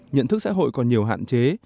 nhận thức xã hội còn nhiều hạn chế